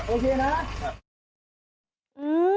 โอเคนะ